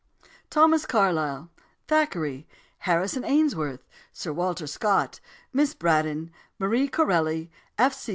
Thomas Carlyle Thackeray Harrison Ainsworth Sir Walter Scott Miss Braddon Marie Corelli F. C.